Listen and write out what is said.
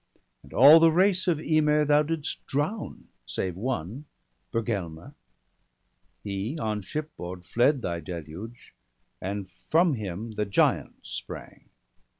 And all the race of Ymir thou didst drown, Save one, Bergelmer; — he on shipboard fled Thy deluge, and from him the giants sprang.